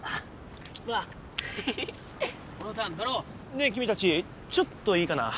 ねえ君たちちょっといいかな？